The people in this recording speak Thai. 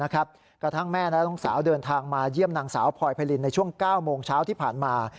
กระทั่งแม่และลูกสาวเดินทางมาเยี่ยมนางสาวพลอยไพรินในช่วง๙โมงเช้าที่ผ่านมา